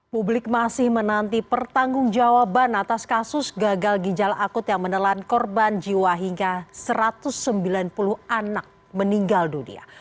publik masih menanti pertanggung jawaban atas kasus gagal ginjal akut yang menelan korban jiwa hingga satu ratus sembilan puluh anak meninggal dunia